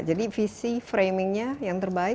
jadi visi framingnya yang terbaik